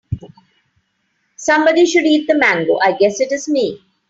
Somebody should eat the mango, I guess it is me.